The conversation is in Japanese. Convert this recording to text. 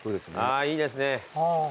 あぁいいですね。